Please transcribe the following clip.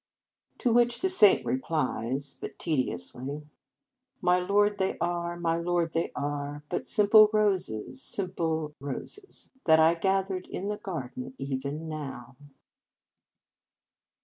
To which the Saint replies gently, but tediously, 44 My lord they are, My lord they are But simple roses, But simple ro o oses, That I gathered in the garden even now."